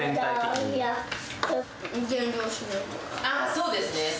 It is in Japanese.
あそうですね。